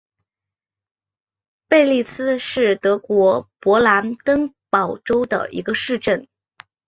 贝利茨是德国勃兰登堡州的一个市镇。